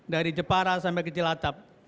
dari jepara sampai kecil acap